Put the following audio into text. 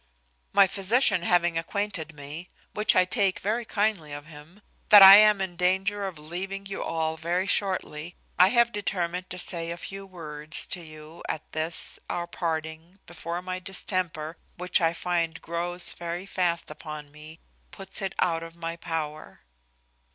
"My physician having acquainted me (which I take very kindly of him) that I am in danger of leaving you all very shortly, I have determined to say a few words to you at this our parting, before my distemper, which I find grows very fast upon me, puts it out of my power.